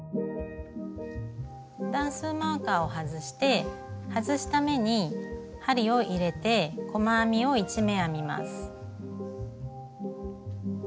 段数マーカーを外して外した目に針を入れて細編みを１目編みます。